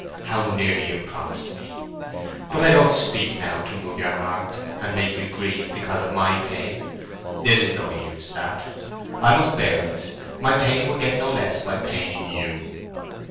How nearly you promised me! But I don't speak now to move your heart, and make you grieve because of my pain; it is no use, that. I must bear it; my pain would get no less by paining you."